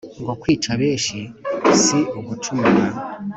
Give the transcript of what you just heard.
ngo kwica benshi si ugucumura